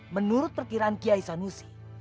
menurut perkiraan kiai sanusi